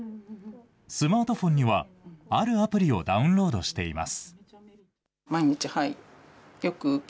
スマートフォンにはあるアプリをダウンロードしています。